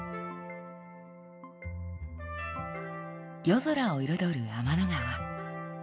夜空を彩る天の川。